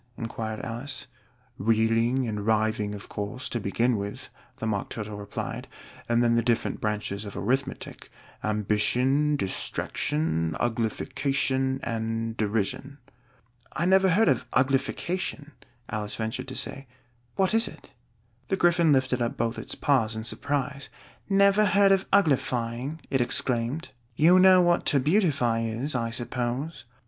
inquired Alice. "Reeling and Writhing, of course, to begin with," the Mock Turtle replied; "and then the different branches of Arithmetic Ambition, Distraction, Uglification, and Derision." "I never heard of 'Uglification,'" Alice ventured to say. "What is it?" The Gryphon lifted up both its paws in surprise. "Never heard of uglifying!" it exclaimed. "You know what to beautify is, I suppose?"